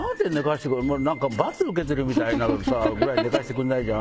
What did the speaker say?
何か罰受けてるみたいになるぐらい寝かせてくんないじゃん。